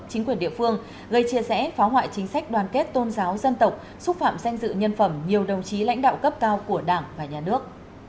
chính quyền địa phương gây chia rẽ phá hoại chính sách đoàn kết tôn giáo dân tộc xúc phạm danh dự nhân phẩm nhiều đồng chí lãnh đạo cấp cao của đảng và nhà nước